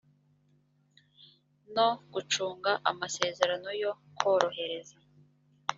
no gucunga amasezerano yo korohereza